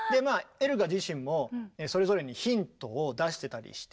エルガー自身もそれぞれにヒントを出してたりして。